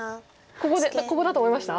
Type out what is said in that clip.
ここだと思いました？